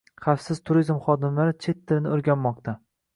“Xavfsiz turizm” xodimlari chet tilini oʻrganmoqda